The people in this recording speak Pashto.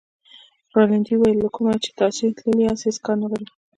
رینالډي وویل له کومه چې تاسي تللي یاست هېڅ کار نه لرو.